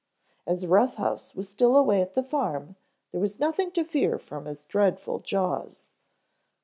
As Rough House was still away at the farm, there was nothing to fear from his dreadful jaws.